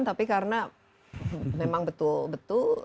tapi karena memang betul betul